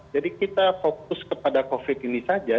jadi kita fokus kepada covid ini saja